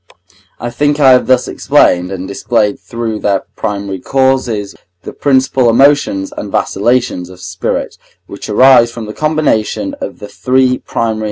I think I have thus explained, and displayed through their primary causes the principal emotions and vacillations of spirit, which arise from the combination of the three primary emotions, to wit, desire, pleasure, and pain.